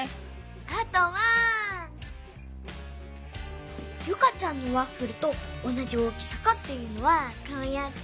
あとはユカちゃんのワッフルとおなじ大きさかっていうのはこうやって。